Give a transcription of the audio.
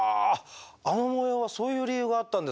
あの模様はそういう理由があったんですね。